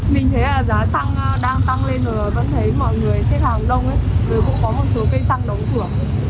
rồi cũng có một số cây xăng đóng cửa